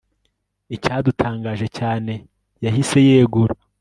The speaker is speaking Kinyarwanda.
Icyadutangaje cyane yahise yegura